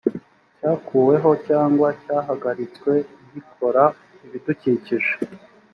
cyakuweho cyangwa cyahagaritswe gikora ibidukikije